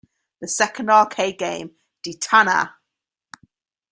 The second arcade game, Detana!!